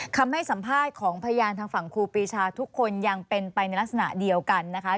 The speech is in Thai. คำให้สัมภาษณ์ของพยานทางฝั่งครูปีชาทุกคนยังเป็นไปในลักษณะเดียวกันนะคะ